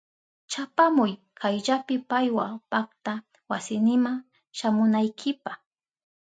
Chapamuy kayllapi paywa pakta wasinima shamunaykipa.